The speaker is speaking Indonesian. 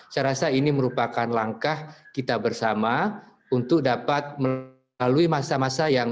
saya rasa ini merupakan langkah kita bersama untuk dapat melalui masa masa yang